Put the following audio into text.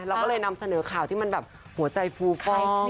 เราก็เลยนำเสนอข่าวที่มันแบบหัวใจฟูก้อยขึ้น